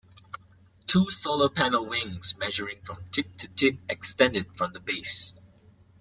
Two solar panel wings measuring from tip to tip extended from the base.